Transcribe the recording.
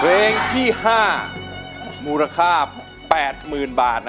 เล่ง๕มูลค่าแปดหมื่นบาท